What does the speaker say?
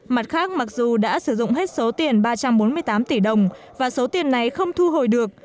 mặt khác mặc dù đã sử dụng hết số tiền ba trăm bốn mươi tám tỷ đồng và số tiền này không thu hồi được